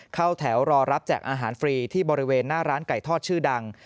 เข้าแถวรอรับแจกอาหารฟรีที่บริเวณหน้าร้านไก่ทอดชื่อดัง